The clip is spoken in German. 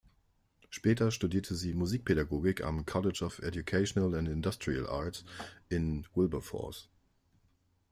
Später studierte sie Musikpädagogik am College of Educational and Industrial Arts in Wilberforce.